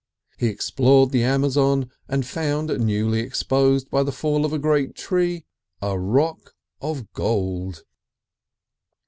He explored the Amazon, and found, newly exposed by the fall of a great tree, a rock of gold.